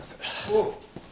おう。